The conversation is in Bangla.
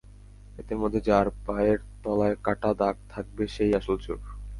এদের মধ্যে যার পায়ের তলায় কাটা দাগ থাকবে, সে-ই আসল চোর।